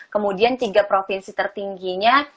kemudian tiga provinsi tertingginya